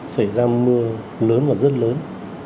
xảy ra mưa lớn và rất lớn